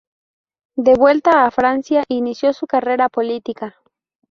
De vuelta a Francia, inició su carrera política.